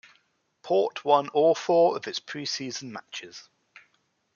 Port won all four of its pre season matches.